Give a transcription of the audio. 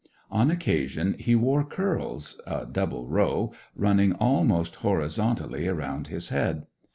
On occasion he wore curls—a double row—running almost horizontally around his head.